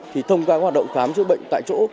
thì thông qua hoạt động khám chữa bệnh tại chỗ